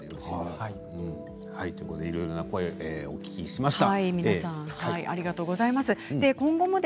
いろいろな声お聞きしました。